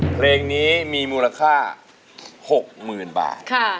เพลงนี้มีมูลค่า๖หมื่นบาท